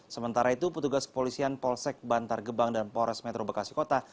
sementara itu petugas kepolisian polsek bantar gebang dan pores metro bekasi kota